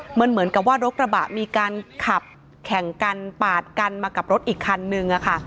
เหมือนกับว่ารถกระบะมีการขับแข่งกันปาดกันมากับรถอีกคันนึง